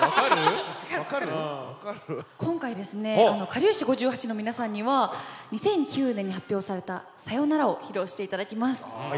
今回ですねかりゆし５８の皆さんには２００９年に発表された「さよなら」を披露して頂きます。